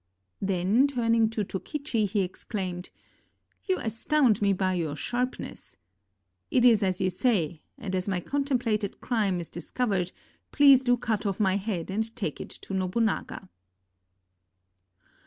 Then, turning to Tokichi, he exclaimed: "You astound me by your sharpness. It is as you say ; and as my contemplated crime is discovered, please to cut off my head and take it to Nobunaga."